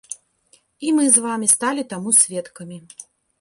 І мы з вамі сталі таму сведкамі.